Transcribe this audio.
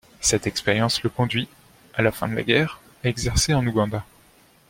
Cette expérience le conduit, à la fin de la guerre, à exercer en Ouganda.